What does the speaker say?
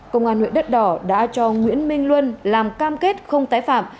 công an huyện đất đỏ đã cho nguyễn minh luân làm cam kết không tái phạm